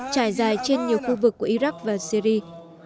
trải dài trên nhiều khu vực của iraq và syri